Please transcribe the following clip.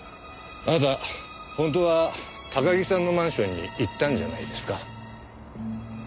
あなた本当は高木さんのマンションに行ったんじゃないですか？